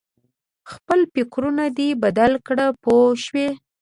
خپل فکرونه دې بدل کړه پوه شوې!.